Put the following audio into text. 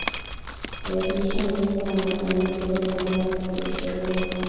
viazi lishe mizizi na majani yake huliwa vina virutubishi vingi